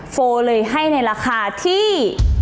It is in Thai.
โฟเลยให้ในราคาที่